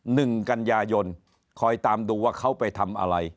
หนึ่งกันยายนคอยตามดูว่าเขาไปทำอะไร